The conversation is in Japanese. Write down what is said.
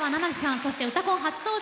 そして「うたコン」初登場